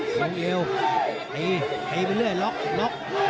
ลงเร็วไอ้ไอ้ไปเรื่อยล็อกล็อก